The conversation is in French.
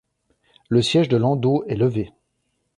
Le siège de Landau est levé.